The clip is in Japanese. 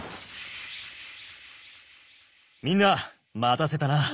みんな待たせたな。